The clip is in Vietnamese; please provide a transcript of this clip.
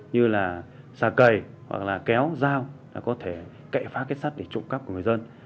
như là xà cầy hoặc là kéo dao là có thể kệ phá kết sát để trộm cắp của người dân